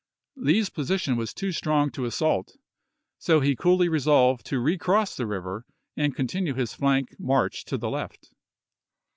Lee's position was too strong to assault ; so he coolly resolved to recross the river and continue his flank march to the left.